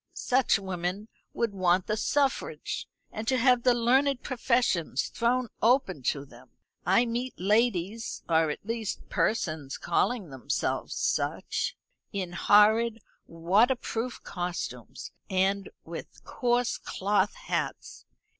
Such women would want the suffrage, and to have the learned professions thrown open to them. I meet ladies or, at least, persons calling themselves such in horrid waterproof costumes and with coarse cloth hats.